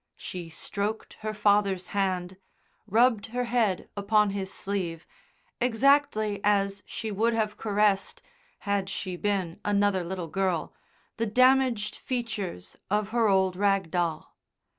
She stroked her father's hand, rubbed her head upon his sleeve; exactly as she would have caressed, had she been another little girl, the damaged features of her old rag doll.